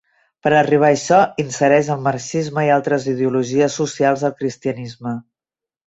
Per a arribar a això, insereix el marxisme i altres ideologies socials al cristianisme.